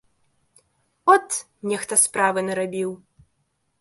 От, нехта справы нарабіў!